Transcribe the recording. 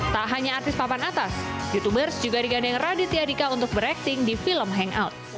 tak hanya artis papan atas youtubers juga digandeng raditya dika untuk berakting di film hangout